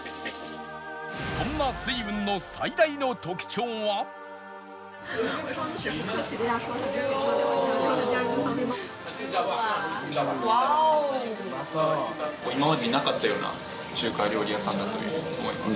そんな翠雲の今までになかったような中華料理屋さんだというふうに思います。